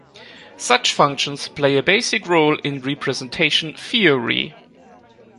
Such functions play a basic role in representation theory.